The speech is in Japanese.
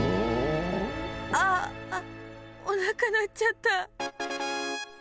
あっ、おなか鳴っちゃった。